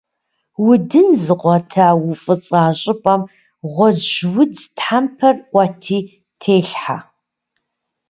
Удын зыгъуэта, уфӀыцӀа щӀыпӀэм гъуэжьудз тхьэмпэр Ӏуэти телъхьэ.